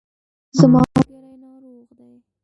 زما ملګری ناروغ دی